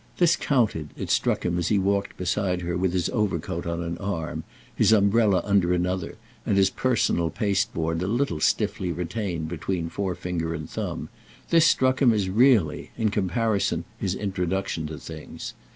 This counted, it struck him as he walked beside her with his overcoat on an arm, his umbrella under another and his personal pasteboard a little stiffly retained between forefinger and thumb, this struck him as really, in comparison his introduction to things.